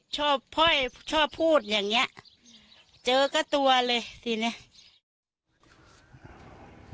พ่อชอบพูดอย่างเงี้ยเจอก็ตัวเลยทีเนี้ย